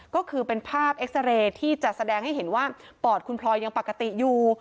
ก็คือเป็นภาพเอ็กซาเรย์ที่จะแสดงให้เห็นว่าปอดคุณพลอยยังปกติอยู่